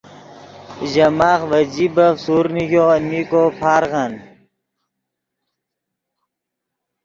ژے ماخ ڤے جیبف سورڤ نیگو المین کو پارغن